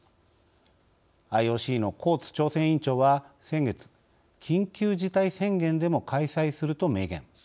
ＩＯＣのコーツ調整委員長は先月緊急事態宣言でも開催すると明言。